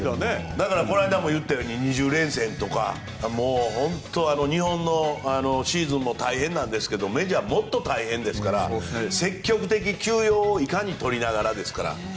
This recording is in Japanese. この間も言ったように２０連戦とか日本のシーズンも大変なんですけどメジャーはもっと大変ですから積極的休養をいかに取りながらですから。